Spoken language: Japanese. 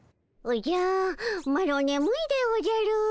おじゃマロねむいでおじゃる。